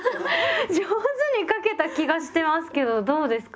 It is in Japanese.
上手に書けた気がしてますけどどうですかね？